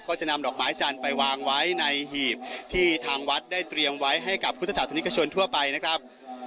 ก็จะนำดอกไม้จันทร์ไปวางไว้ในหีบที่ทางวัดได้เตรียมไว้ให้กับพุทธศาสนิกชนทั่วไปนะครับ